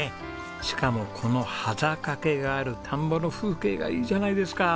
しかもこのはざかけがある田んぼの風景がいいじゃないですか。